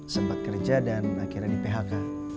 sempat kerja dan akhirnya di phk